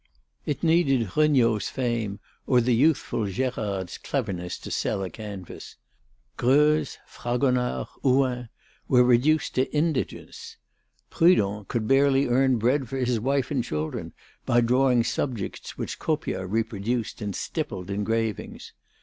It needed Regnault's fame or the youthful Gérard's cleverness to sell a canvas. Greuze, Fragonard, Houin were reduced to indigence. Prud'hon could barely earn bread for his wife and children by drawing subjects which Copia reproduced in stippled engravings.